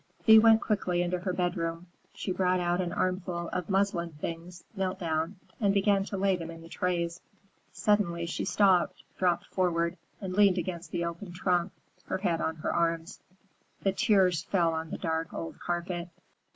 Thea went quickly into her bedroom. She brought out an armful of muslin things, knelt down, and began to lay them in the trays. Suddenly she stopped, dropped forward and leaned against the open trunk, her head on her arms. The tears fell down on the dark old carpet.